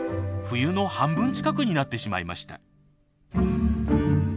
冬の半分近くになってしまいました。